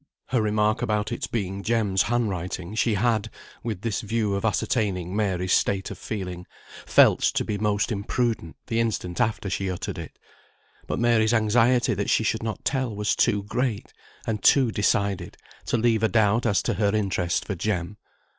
Her remark about its being Jem's hand writing, she had, with this view of ascertaining Mary's state of feeling, felt to be most imprudent the instant after she uttered it; but Mary's anxiety that she should not tell was too great, and too decided, to leave a doubt as to her interest for Jem.